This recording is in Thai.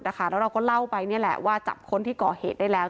แล้วเราก็เล่าไปนี่แหละว่าจับคนที่ก่อเหตุได้แล้ว